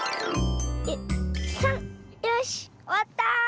よしおわった！